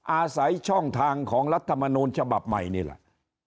อาศัยช่องทางของรัฐมนูลฉบับใหม่นี่แหละ